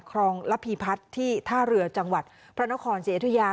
ของรัฐภีร์พลัทธ์ที่ท่าเรือจังหวัดพระนครเสียธุยา๗๐๐๖